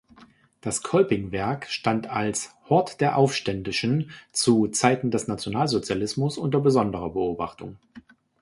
Das Kolpingwerk stand als „Hort der Aufständischen“ zu Zeiten des Nationalsozialismus unter besonderer Beobachtung.